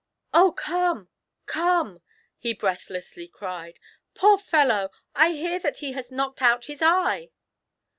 "Oh — come, come!" he breathlessly cried; "poor fellow, I fear that he has knocked out his eye